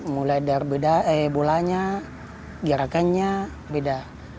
mulai dari bolanya gerakannya beda